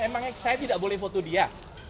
emangnya saya tidak boleh foto dia